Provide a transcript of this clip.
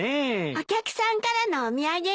お客さんからのお土産よ。